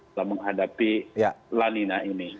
dalam menghadapi lanina ini